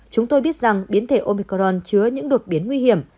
chúng tôi biết rằng biến thể omicron chứa những đột biến nguy hiểm